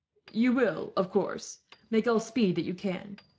"You will, of course, make all speed that you can.